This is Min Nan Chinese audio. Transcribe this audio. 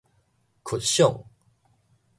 クッション